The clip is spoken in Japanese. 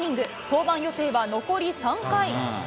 登板予定は残り３回。